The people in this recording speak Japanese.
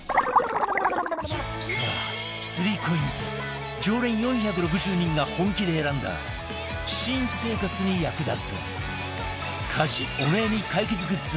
さあ ３ＣＯＩＮＳ 常連４６０人が本気で選んだ新生活に役立つ家事お悩み解決グッズ